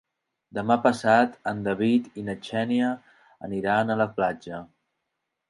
Demà passat en David i na Xènia aniran a la platja.